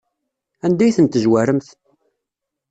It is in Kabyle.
Anda ay ten-tezwaremt?